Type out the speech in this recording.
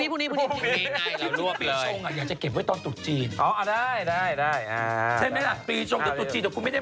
พรุ่งนี้เรายังเหลืออีกกี่รสี